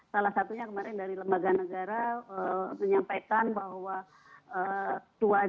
salah satunya kemarin dari lembaga negara menyampaikan bahwa